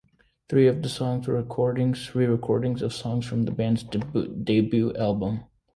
Three of the songs were re-recordings of songs from the band's debut album.